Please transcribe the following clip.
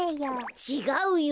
ちがうよ。